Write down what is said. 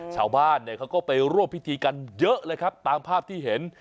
ชาวบ้านเนี่ยเขาก็ไปร่วมพิธีกันเยอะเลยครับตามภาพที่เห็น